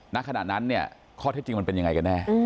ณขณะนั้นเนี่ยข้อเท็จจริงมันเป็นยังไงกันแน่